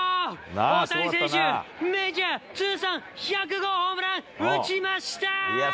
大谷選手、メジャー通算１００号ホームラン打ちました！